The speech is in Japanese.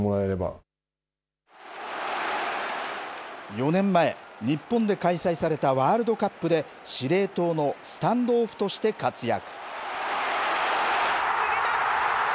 ４年前、日本で開催されたワールドカップで司令塔のスタンドオフとして活躍。